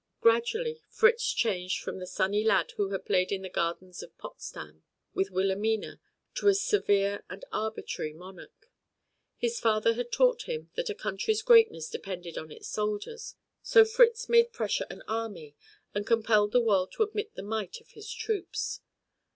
Gradually Fritz changed from the sunny lad who had played in the gardens of Potsdam with Wilhelmina to a severe and arbitrary monarch. His father had taught him that a country's greatness depended on its soldiers, and so Fritz made Prussia an army and compelled the world to admit the might of his troops.